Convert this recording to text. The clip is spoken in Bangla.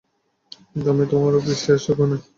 কিন্তু আমি তোমার বিশ্বাসের যোগ্য নই।